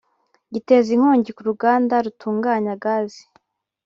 giteza inkongi ku ruganda rutunganya gazi